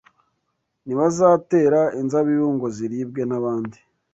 ntibazatera inzabibu ngo ziribwe n’abandi